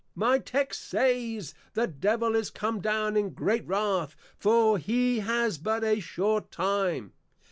My Text says, _The Devil is come down in great Wrath, for he has but a short time.